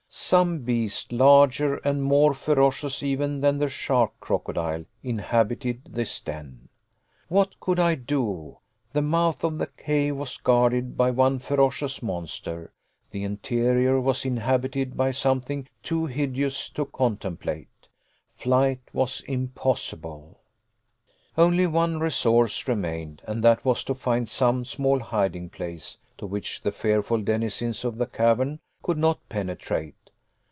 Some beast larger and more ferocious even than the shark crocodile inhabited this den. What could I do? The mouth of the cave was guarded by one ferocious monster, the interior was inhabited by something too hideous to contemplate. Flight was impossible! Only one resource remained, and that was to find some small hiding place to which the fearful denizens of the cavern could not penetrate.